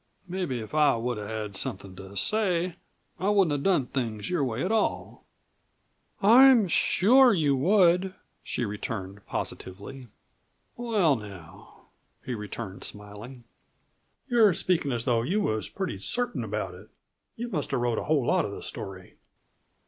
Mebbe if I would have had somethin' to say I wouldn't have done things your way at all." "I am sure you would," she returned positively. "Well, now," he returned smiling, "you're speakin' as though you was pretty certain about it. You must have wrote a whole lot of the story."